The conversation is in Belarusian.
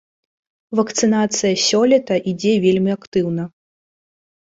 Вакцынацыя сёлета ідзе вельмі актыўна.